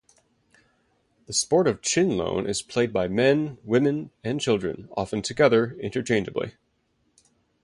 The sport of chinlone is played by men, women, and children, often together, interchangeably.